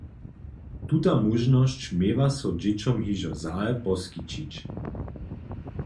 Tuta móžnosć měła so dźěćom hižo zahe poskićić.